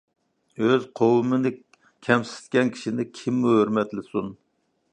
ئۆز قوۋمىنى كەمسىتكەن كىشىنى كىممۇ ھۆرمەتلىسۇن؟ !